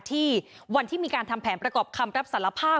ที่วันที่มีการทำแผนประกอบคำรับสารภาพ